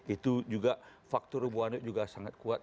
itu juga faktor bu ani juga sangat kuat